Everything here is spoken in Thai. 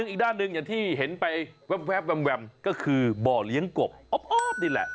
อีกด้านหนึ่งอย่างที่เห็นไปแว๊บแวมก็คือบ่อเลี้ยงกบอ๊บนี่แหละ